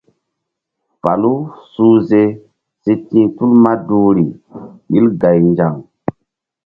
Falu suhze si ti̧h tul maduhri ɓil gaynzaŋ.